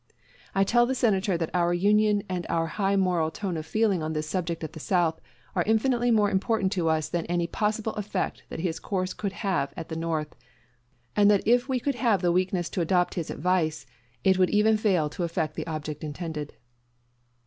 I tell the Senator that our Union, and our high moral tone of feeling on this subject at the South, are infinitely more important to us than any possible effect that his course could have at the North; and that if we could have the weakness to adopt his advice, it would even fail to effect the object intended.